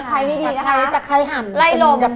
ตะไคร้นี่ดีนะครับ